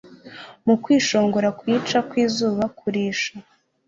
Mu kwishongora kwica kwizuba kurisha